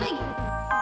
abah abis gua keburu